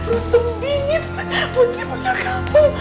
untung bingit putri putrinya kamu